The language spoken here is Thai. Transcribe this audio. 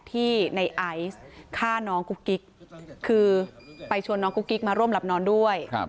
ที่ในไอซ์ฆ่าน้องกุ๊กกิ๊กคือไปชวนน้องกุ๊กกิ๊กมาร่วมหลับนอนด้วย